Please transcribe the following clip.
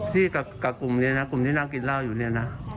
ที่กับกลุ่มเรียนน่ะกลุ่มที่นั่งกินร้าวอยู่เรียนน่ะ